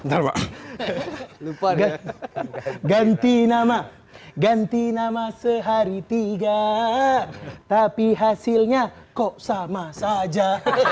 hahaha lu poder ganti nama ganti nama sehari tiga tapi hasilnya kok sama saja